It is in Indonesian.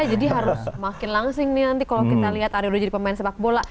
jadi harus makin langsing nih nanti kalau kita lihat area udah jadi pemain sepak bola